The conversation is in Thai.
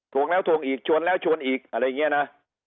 วงแล้วทวงอีกชวนแล้วชวนอีกอะไรอย่างนี้นะ